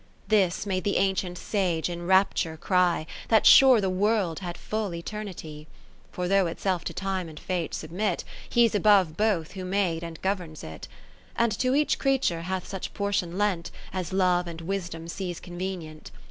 This made the ancient Sage in rapture cry, That sure the World had full eternity. For though itself to Time and Fate subrnit. He 's above both who made and governs it ; And to each creature hath such por tion lent, As Love and Wisdom sees con venient.